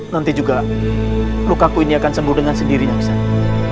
nanti juga lukaku ini akan sembuh dengan sendirinya misalnya